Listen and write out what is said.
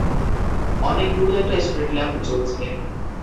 অনেক দূরে একটা স্ট্রীটল্যাম্প জ্বলছে।